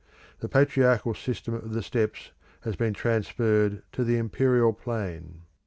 The patriarchal system of the steppes has been transferred to the imperial plain.